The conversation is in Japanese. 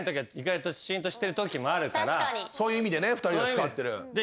そういう意味で２人が使ってる。